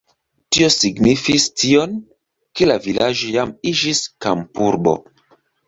Tio signifis tion, ke la vilaĝo jam iĝis kampurbo.